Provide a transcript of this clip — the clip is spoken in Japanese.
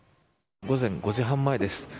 午前５時半前です。